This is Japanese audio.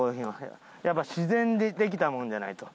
やっぱ自然でできたものじゃないと。